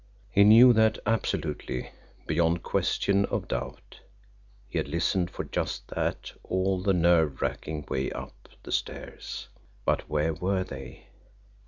He knew that absolutely, beyond question of doubt. He had listened for just that all the nerve racking way up the stairs. But where were they?